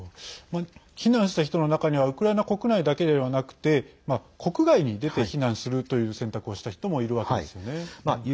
避難した人の中にはウクライナ国内だけではなくて国外に出て避難するという選択をした人もいるわけですよね。